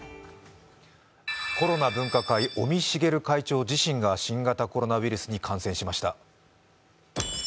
コロナ分科会尾身茂会長自身が新型コロナウイルスに感染しました。